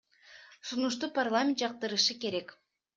Сунушту парламент жактырышы керек.